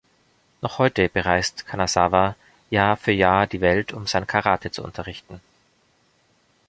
Noch heute bereist Kanazawa Jahr für Jahr die Welt, um sein Karate zu unterrichten.